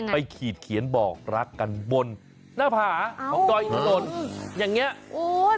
ไปขีดเขียนบอกรักกันบนหน้าผาของกรอยถนน